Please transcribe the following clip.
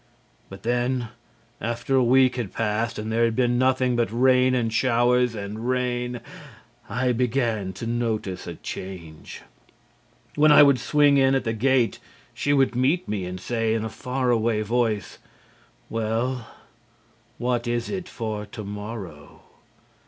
"But then, after a week had passed and there had been nothing but rain and showers and rain, I began to notice a change. When I would swing in at the gate she would meet me and say, in a far away voice, 'Well, what is it for to morrow?'